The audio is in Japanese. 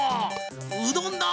うどんだ！